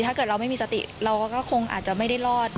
ถ้าเกิดเราไม่มีสติเราก็คงอาจจะไม่ได้รอด